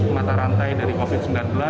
mata rantai dari covid sembilan belas